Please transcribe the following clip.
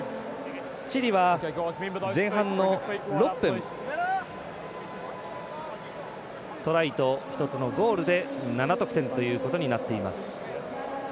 チリは、前半の６分トライと１つのゴールで７得点ということになっています。